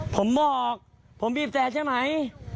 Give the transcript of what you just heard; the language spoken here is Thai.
ผมบอกผมบีบแต่ใช่ไหม